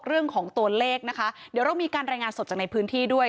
เรื่องของตัวเลขนะคะเดี๋ยวเรามีการรายงานสดจากในพื้นที่ด้วย